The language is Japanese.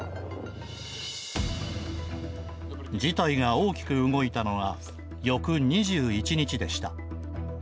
事態が大きく動いたのが翌２１日でした。